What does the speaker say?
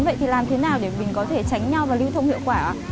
vậy thì làm thế nào để mình có thể tránh nhau và lưu thông hiệu quả ạ